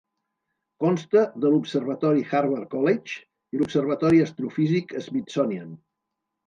Consta de l'Observatori Harvard College i l'Observatori Astrofísic Smithsonian.